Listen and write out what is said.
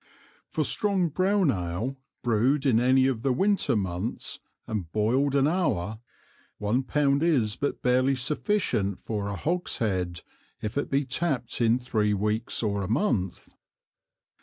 For strong brown Ale brew'd in any of the Winter Months, and boiled an Hour, one Pound is but barely sufficient for a Hogshead, if it be Tapp'd in three Weeks or a Month.